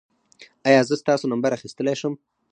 ایا زه ستاسو نمبر اخیستلی شم؟